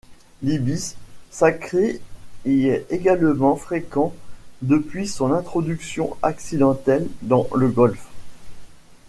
L'ibis sacré y est également fréquent depuis son introduction accidentelle dans le golfe.